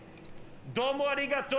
どうもありがとう！